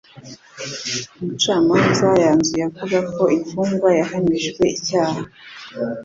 Umucamanza yanzuye avuga ko imfungwa yahamijwe icyaha.